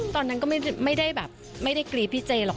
ตอนนั้นก็ไม่ได้แบบไม่ได้กรี๊ดพี่เจหรอก